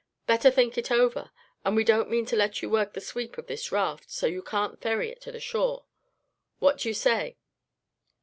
Better think it over. And we don't mean to let you work the sweep of this raft, so you can't ferry it to the shore. What do you say?"